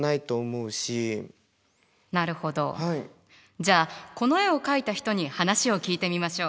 じゃあこの絵を描いた人に話を聞いてみましょう。